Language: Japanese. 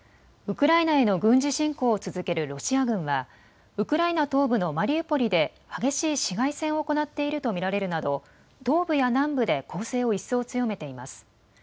ウクライナへの軍事侵攻を続けるロシア軍はウクライナ東部のマリウポリで激しい市街戦を行っていると見られるなど東部や南部で攻勢を一層強めています。